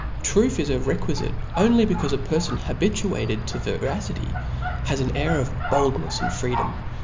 Truth is requifite only, bccaufe a perfon habituated to veracity has an air of boldncfs and freedom.